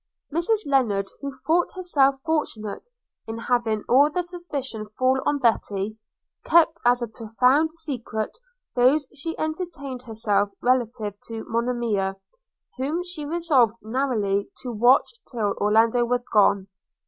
Mrs Lennard, who thought herself fortunate in having all the suspicions fall on Betty, kept as a profound secret those she entertained herself relative to Monimia, whom she resolved narrowly to watch till Orlando was gone.